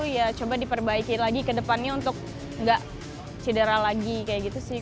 ya coba diperbaiki lagi ke depannya untuk nggak cedera lagi kayak gitu sih